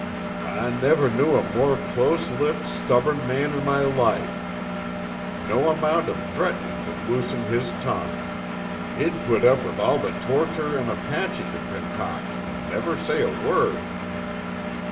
"I never knew a more close lipped, stubborn man in my life. No amount of threatenin' could loosen his tongue. He'd put up with all the torture an Apache could concoct an' never say a word."